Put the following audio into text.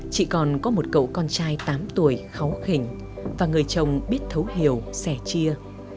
chị còn có một cậu con trai tám tuổi kháu khỉnh và người chồng biết thấu hiểu sẻ chia